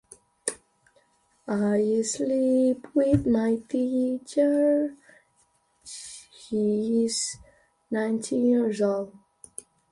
Patrol clashes indicated increased Japanese resistance was likely beyond Tenom.